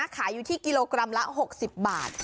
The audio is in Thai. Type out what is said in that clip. ขายอยู่ที่กิโลกรัมละ๖๐บาท